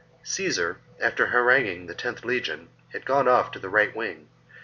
25. Caesar, after haranguing the loth legion, had gone off to the right wing.